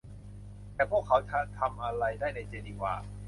แต่พวกเขาจะทำอะไรได้ในเจนีวา